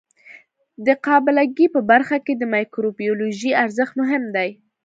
د قابله ګۍ په برخه کې د مایکروبیولوژي ارزښت مهم دی.